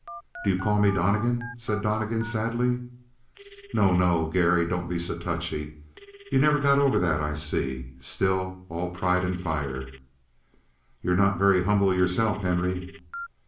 "Do you call me Donnegan?" said Donnegan sadly. "No, no. Garry, don't be so touchy. You've never got over that, I see. Still all pride and fire." "You're not very humble yourself, Henry."